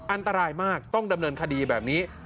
อันตรายมากต้องดำเนินคดีแบบนี้